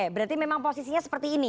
oke berarti memang posisinya seperti ini